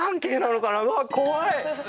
うわっ怖い！